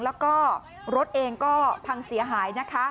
แล้วก็รถเองก็พังเสียหายนะคะ